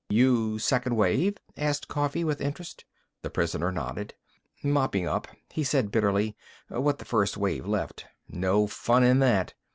"You second wave?" asked Coffee, with interest. The prisoner nodded. "Mopping up," he said bitterly, "what the first wave left. No fun in that!